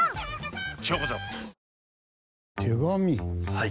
はい。